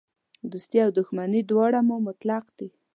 دوستي او دښمني دواړه مو مطلق دي.